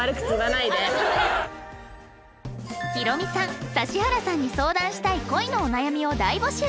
ヒロミさん指原さんに相談したい恋のお悩みを大募集！